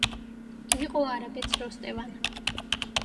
იყო არაბეთს როსტევან.